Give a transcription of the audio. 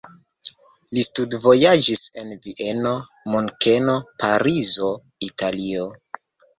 Li studvojaĝis en Vieno, Munkeno, Parizo, Italio.